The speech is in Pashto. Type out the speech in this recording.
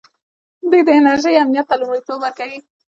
دوی د انرژۍ امنیت ته لومړیتوب ورکوي.